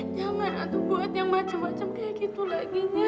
janganlah lu buat yang macam macam kayak gitu lagi ya